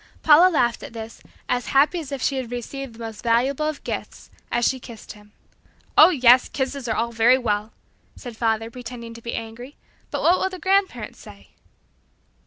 Paula laughed at this, as happy as if she had received the most valuable of gifts, as she kissed him. "Oh, yes; kisses are all very well," said father, pretending to be angry, "but what will the grandparents say?"